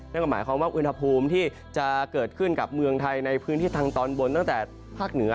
นั่นก็หมายความว่าอุณหภูมิที่จะเกิดขึ้นกับเมืองไทยในพื้นที่ทางตอนบนตั้งแต่ภาคเหนือ